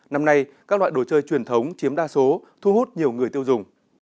năm nay các loại đồ chơi truyền thống chiếm đa số thu hút nhiều người tiêu dùng